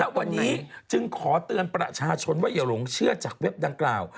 วันนี้จึงขอเตือนประชาชนว่าอย่าหลงเชื่อจากเว็บดังกล่าว